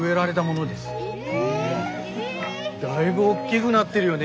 だいぶ大きぐなってるよね。